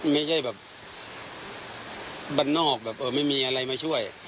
ไม่ใช่แบบบ้านนอกแบบเออไม่มีอะไรมาช่วย